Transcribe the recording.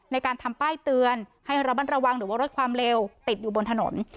ในการทำป้ายเตือนให้ระบัดระวังหรือว่าลดความเร็วติดอยู่บนถนน